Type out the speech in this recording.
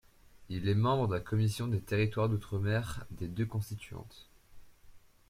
Il est membre de la Commission des territoires d'outre-mer des deux Constituantes.